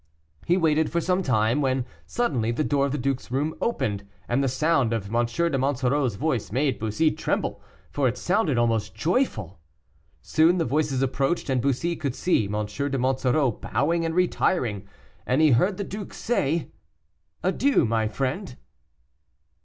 He waited for some time, when suddenly the door of the duke's room opened, and the sound of M. de Monsoreau's voice made Bussy tremble, for it sounded almost joyful. Soon the voices approached, and Bussy could see M. de Monsoreau bowing and retiring, and he heard the duke say: "Adieu, my friend."